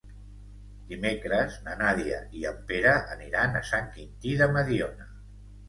Dimecres na Nàdia i en Pere aniran a Sant Quintí de Mediona.